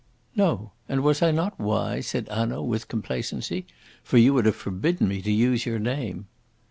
"No. And was I not wise?" said Hanaud, with complacency. "For you would have forbidden me to use your name."